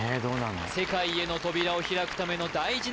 世界への扉を開くための大事な